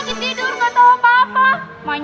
kamu nyag sudah tulis basically